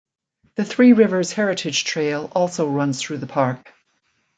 The Three Rivers Heritage Trail also runs through the park.